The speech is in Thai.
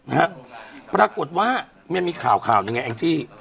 แหละปรากฏว่าไม่มีข่าวอย่างไรไอ้นี่